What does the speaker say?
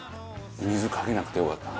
水かけなくてよかった。